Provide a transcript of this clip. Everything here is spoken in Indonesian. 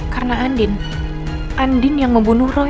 karena andin andin yang membunuh roy